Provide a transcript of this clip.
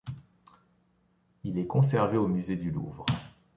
Il est conservé au musée du Louvre.